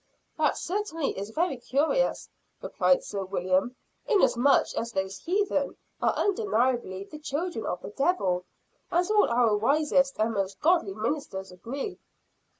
"That certainly is very curious," replied Sir William, "inasmuch as those heathen are undeniably the children of the devil, as all our wisest and most godly ministers agree."